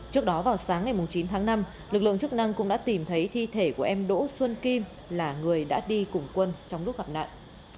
trước đó vào sáng ngày chín tháng năm lực lượng chức năng cũng đã tìm thấy thi thể của em đỗ xuân kim là người đã đi cùng quân trong lúc gặp nạn